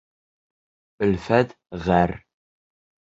Өлфәт ғәр.